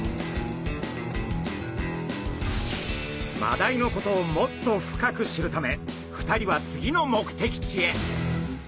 マダイのことをもっと深く知るため２人は次の目的地へ。